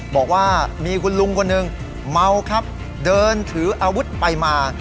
บอกว่ามีคุณลุงคนหนึ่งเมาครับเดินถืออาวุธไปมา